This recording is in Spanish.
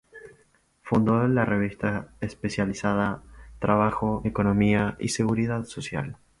Fundó la revista especializada "Trabajo, Economía y Seguridad Social".